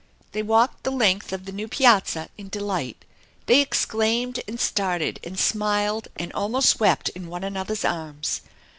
THE ENCHANTED BARN 311 They walked the length of the new piazza in delight. They exclaimed and started and smiled and almost wept in one another's arms.